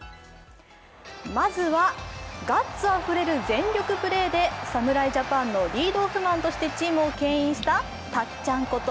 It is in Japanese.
まずはガッツあふれる全力プレーで侍ジャパンのリードオフマンとしてチームをけん引したたっちゃんこと